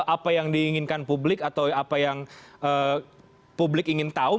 apa yang diinginkan publik atau apa yang publik ingin tahu